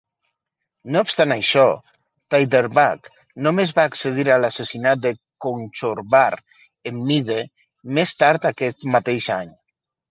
No obstant això, Tairrdelbach només va accedir a l'assassinat de Conchobar en Mide, més tard aquest mateix any.